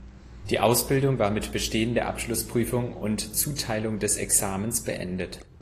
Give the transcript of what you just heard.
Die Ausbildung war mit Bestehen der Abschlussprüfung und Zuteilung des Examens beendet.